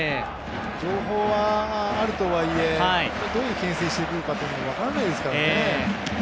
情報はあるとはいえ、どういうけん制してくるか分からないですからね。